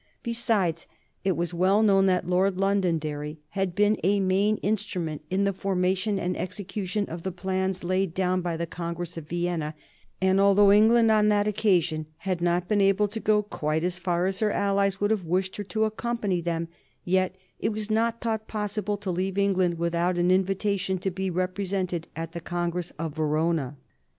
Besides, it was well known that Lord Londonderry had been a main instrument in the formation and execution of the plans laid down by the Congress of Vienna, and although England, on that occasion, had not been able to go quite as far as her allies would have wished her to accompany them, yet it was not thought possible to leave England without an invitation to be represented at the Congress of Verona.